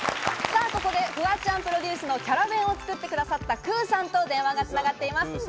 フワちゃんプロデュースのキャラ弁を作ってくださったｋｕさんと電話が繋がっています。